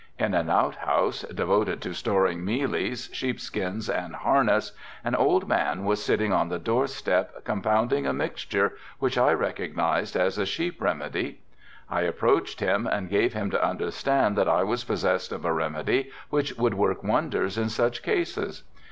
In an outhouse, devoted to storing mealies, sheep skins and harness, an old man was sitting on the doorstep compounding a mixture, which I recognized as a sheep remedy. I approached him and gave him to understand that I was possessed of a remedy which would work wonders in such cases.